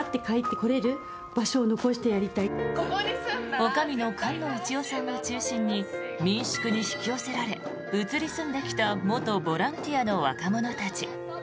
おかみの菅野一代さんを中心に民宿に引き寄せられ移り住んできた元ボランティアの若者たち。